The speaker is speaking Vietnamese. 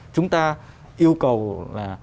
chúng ta yêu cầu là